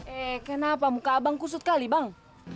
eh butret ya abang kusut kali bang